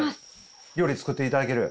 料理作っていただける？